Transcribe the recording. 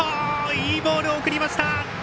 いいボールを送りました。